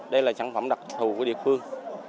đây là sản phẩm đặc thù của địa phương